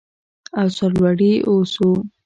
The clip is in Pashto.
او سرلوړي اوسو.